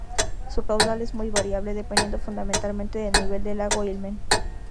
Su caudal es muy variable dependiendo fundamentalmente del nivel del lago Ilmen.